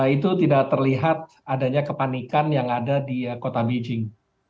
itu tidak terlihat adanya kepanikan yang ada di kota beijing